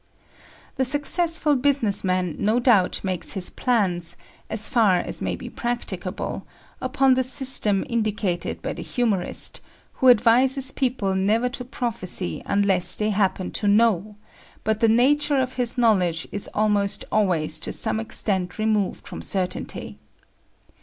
The successful business man no doubt makes his plans, as far as may be practicable, upon the system indicated by the humorist, who advises people never to prophesy unless they happen to know, but the nature of his knowledge is almost always to some extent removed from certainty.